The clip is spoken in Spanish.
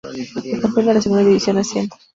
El campeón de la segunda división asciende.